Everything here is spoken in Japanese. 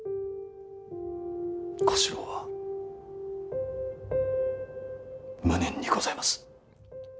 小四郎は無念にございます。